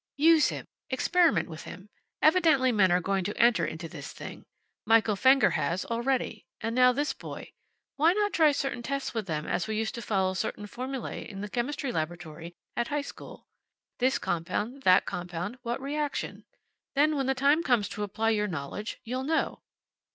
"Use him. Experiment with him. Evidently men are going to enter into this thing. Michael Fenger has, already. And now this boy. Why not try certain tests with them as we used to follow certain formulae in the chemistry laboratory at high school? This compound, that compound, what reaction? Then, when the time comes to apply your knowledge, you'll know."